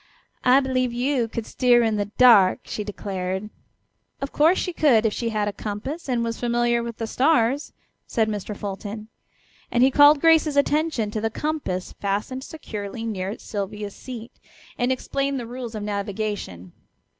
"I believe you could steer in the dark," she declared. "Of course she could if she had a compass and was familiar with the stars," said Mr. Fulton; and he called Grace's attention to the compass fastened securely near Sylvia's seat, and explained the rules of navigation.